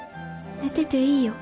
寝てていいよ